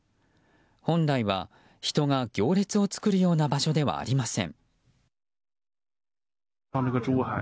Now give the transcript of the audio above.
本来は人が行列を作るような場所ではありません。